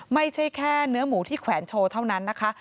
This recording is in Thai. ไม่ใช่แค่เนื้อหมูที่แขวนโชว์เท่านั้นนะคะ